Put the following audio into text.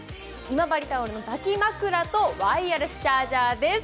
今治タオルの抱き枕とワイヤレスチャージャーです。